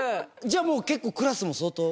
じゃあもう結構クラスも相当？